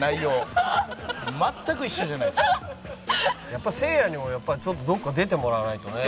やっぱせいやにもちょっとどっか出てもらわないとね。